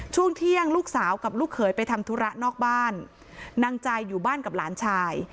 ช่วงเที่ยงลูกสาวกับลูกเขยไปทำธุระนอกบ้านนางใจอยู่บ้านกับหลานชาย